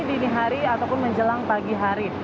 dini hari ataupun menjelang pagi hari